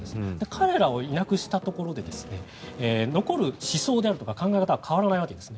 彼らをいなくしたところで残る思想であるとか考え方は変わらないわけです。